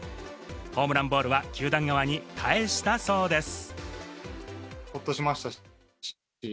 ホームランボールは球団側に返したそうです。